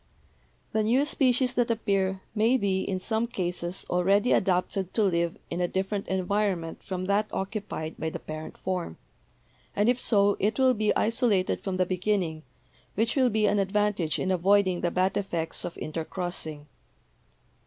"The new species that appear may be in some cases already adapted to live in a different environment from that occupied by the parent form, and if so, it will be isolated from the beginning, which will be an advantage in avoiding the bad effects of intercrossing.